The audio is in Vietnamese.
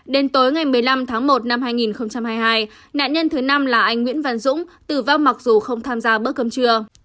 đến tối ngày một mươi năm tháng một năm hai nghìn hai mươi hai nạn nhân thứ năm là anh nguyễn văn dũng tử vong mặc dù không tham gia bữa cơm trưa